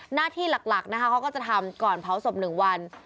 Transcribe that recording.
หน้าที่หลักนะคะเขาก็จะทำก่อนเผาศพ๑วัน